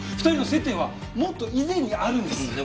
２人の接点はもっと以前にあるんです。